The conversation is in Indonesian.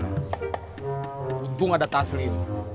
menurut gue nggak ada taslim